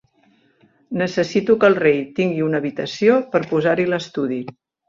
Necessito que el rei tingui una habitació per posar-hi l'estudi.